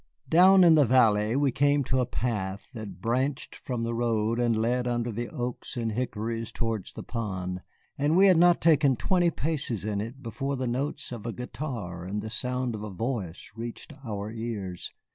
Down in the valley we came to a path that branched from the road and led under the oaks and hickories towards the pond, and we had not taken twenty paces in it before the notes of a guitar and the sound of a voice reached our ears.